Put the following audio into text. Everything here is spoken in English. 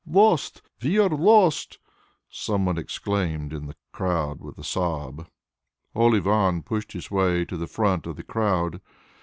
"Lost! We are lost!" some one exclaimed in the crowd with a sob. Old Ivan pushed his way to the front of the crowd.